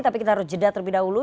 tapi kita harus jeda terlebih dahulu